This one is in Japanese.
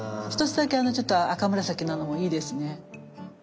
１つだけちょっと赤紫なのもいいですね。